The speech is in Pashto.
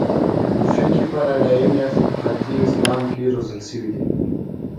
فقهي پاراډایم یا فقاهتي اسلام کې روزل شوي دي.